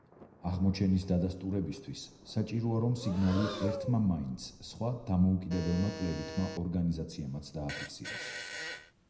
აღმოჩენის დადასტურებისთვის, საჭიროა რომ სიგნალი ერთმა მაინც, სხვა დამოუკიდებელმა კვლევითმა ორგანიზაციამაც დააფიქსიროს.